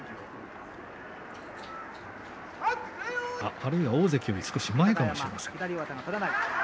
あるいは大関より少し前かもしれません。